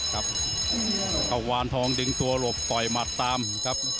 กังวานทองดึงตัวรบต่อหมาตตามครับ